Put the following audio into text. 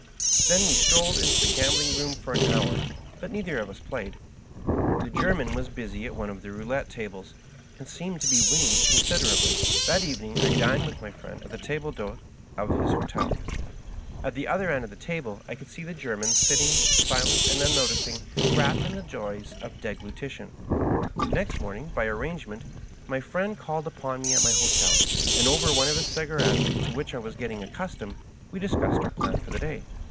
Then we strolled into the gambling room for an hour, but neither of us played. The Ger man was busy at one of the roulette tables, and seemed Digitized by VjOOQIC 140 ^T FASCINATING FRIEND. to be winning considerably. That evening I dined with my friend at the table cPhdte of his hotel. At the other end of the table I could see the German sitting silent and unnoticing, rapt in the joys of deglutition. Next morning, by arrangement, my friend called upon me at my hotel, and over one of his cigarettes, to which I was getting accustomed, we discussed our plan for the day.